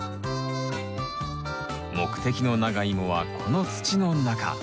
目的のナガイモはこの土の中！